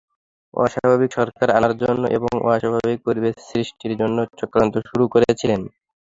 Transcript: অস্বাভাবিক সরকার আনার জন্য এবং অস্বাভাবিক পরিবেশ সৃষ্টির জন্য চক্রান্ত শুরু করেছিলেন।